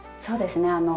そうですね。